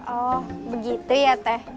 oh begitu ya teh